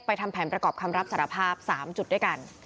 ทำแผนประกอบคำรับสารภาพ๓จุดด้วยกัน